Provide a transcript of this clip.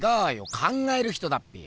「考える人」だっぺよ！